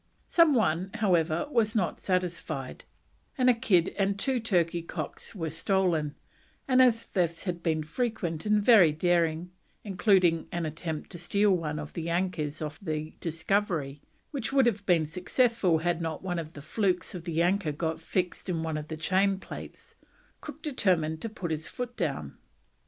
Some one, however, was not satisfied, and a kid and two turkey cocks were stolen; and as thefts had been frequent and very daring, including an attempt to steal one of the anchors of the Discovery, which would have been successful had not one of the flukes of the anchor got fixed in one of the chain plates, Cook determined to put his foot down.